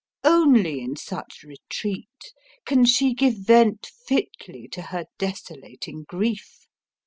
Only in such retreat can she give vent fitly to her desolating grief.